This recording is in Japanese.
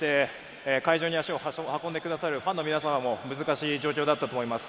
会場に足を運んでくださるファンの皆さんも難しい状況だったと思います。